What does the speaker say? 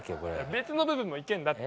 別の部分もいけるんだって。